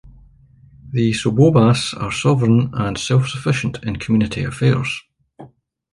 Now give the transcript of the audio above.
The Sobobas are sovereign and self-sufficient in community affairs.